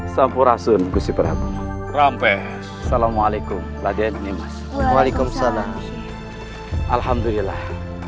sampurasun kusi perabu rampes assalamualaikum walaikum salam alhamdulillah